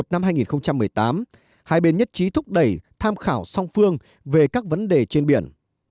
năm hai nghìn một mươi tám hai bên nhất trí thúc đẩy tham khảo song phương về các vấn đề trên biển